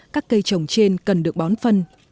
các cây trồng trên cần được bón phân